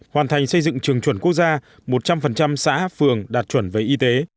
hoàn thành xây dựng trường chuẩn quốc gia một trăm linh xã phường đạt chuẩn về y tế